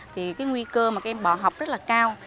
thì cái nguy cơ mà các em bỏ học rất là cao